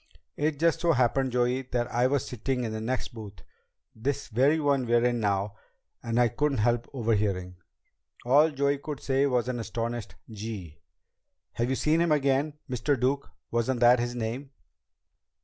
"It just so happened, Joey, that I was sitting in the next booth this very one we're in now and I couldn't help overhearing." All Joey could say was an astonished: "Gee!" "Have you seen him again? Mr. Duke? Wasn't that his name?"